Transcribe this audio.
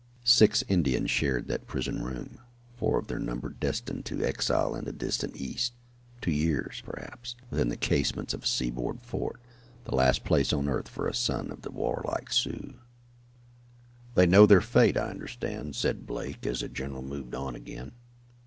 Six Indians shared that prison room, four of their number destined to exile in the distant East, to years, perhaps, within the casemates of a seaboard fort the last place on earth for a son of the warlike Sioux. "They know their fate, I understand," said Blake, as the general moved on again.